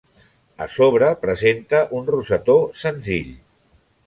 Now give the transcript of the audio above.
A sobre presenta un rosetó senzill.